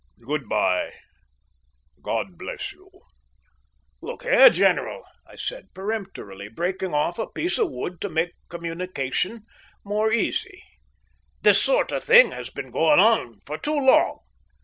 Good bye! God bless you!" "Look here, General," I said, peremptorily breaking off a piece of wood to make communication more easy, "this sort of thing has been going on too long.